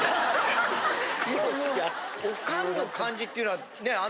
オカンの感じっていうのはね